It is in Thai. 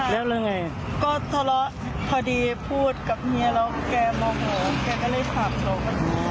แล้วเรื่องไงก็ทะเลาะพอดีพูดกับเมียแล้วแกมองแกก็เลยขาบลง